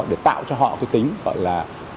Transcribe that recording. để tạo cho họ cái tính gọi là